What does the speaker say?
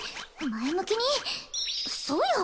前向きにそうよ